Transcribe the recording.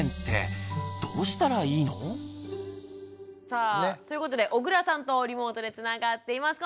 さあということで小倉さんとリモートでつながっています。